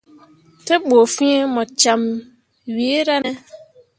Te bu fin mu camme wira ne.